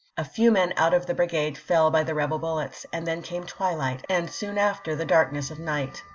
A few men out of the brigade fell by the rebel bullets, and then came twilight, and soon after the darkness of night.